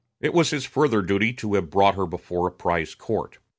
It was his further duty to have brought her before a prize court.